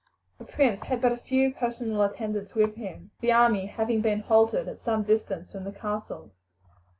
The prince had but a few personal attendants with him, the army having been halted at some distance from the castle.